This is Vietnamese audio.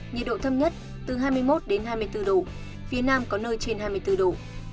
nhiệt độ thâm nhất phía bắc từ hai mươi một đến hai mươi bốn độ phía nam có nơi trên hai mươi bốn độ